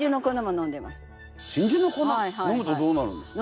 飲むとどうなるんですか？